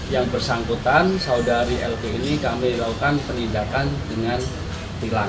yang bersangkutan saudari lp ini kami lakukan penindakan dengan tilang